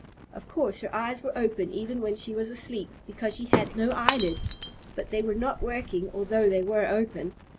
Of course her eyes were open even when she was asleep, because she had no eyelids, but they were not working although they were open.